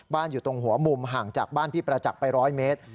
อยู่ตรงหัวมุมห่างจากบ้านพี่ประจักษ์ไป๑๐๐เมตร